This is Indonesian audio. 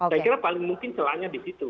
saya kira paling mungkin celahnya di situ